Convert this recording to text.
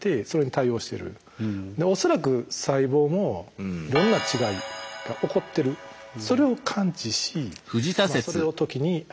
恐らく細胞もいろんな違いが起こってるそれを感知しそれを時に排除する。